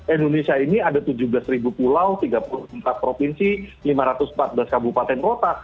indonesia ini ada tujuh belas pulau tiga puluh empat provinsi lima ratus empat belas kabupaten kota